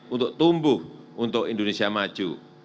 untuk tumbuh untuk indonesia maju